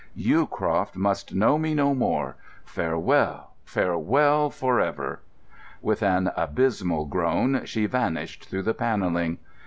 Yewcroft must know me no more. Farewell, farewell for ever!" With an abysmal groan she vanished through the panelling.